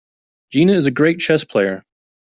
Gina is a great chess player.